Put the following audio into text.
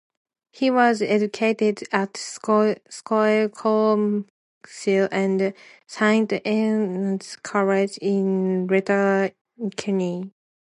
He was educated at Scoil Colmcille and Saint Eunan's College in Letterkenny.